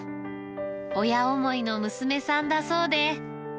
親思いの娘さんだそうで。